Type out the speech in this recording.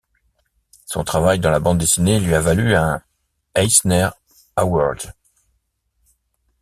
Son travail dans la bande dessinée lui a valu un Eisner Award.